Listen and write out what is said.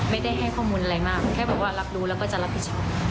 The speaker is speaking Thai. ให้ข้อมูลอะไรมากแค่แบบว่ารับรู้แล้วก็จะรับผิดชอบ